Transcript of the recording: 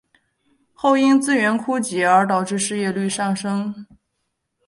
后因资源枯竭而导致失业率上升。